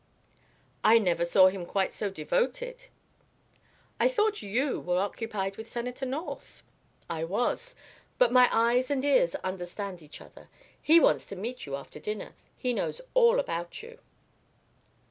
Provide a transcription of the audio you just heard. "I never saw him quite so devoted." "I thought you were occupied with Senator North." "I was, but my eyes and ears understand each other. He wants to meet you after dinner. He knows all about you."